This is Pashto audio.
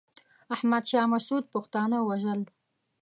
احمد شاه مسعود پښتانه وژل.